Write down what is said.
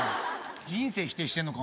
人生否定してんのか？